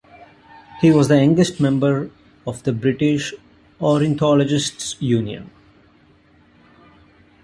He was the youngest member of the British Ornithologists' Union.